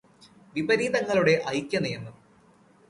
വിപരീതങ്ങളുടെ ഐക്യനിയമം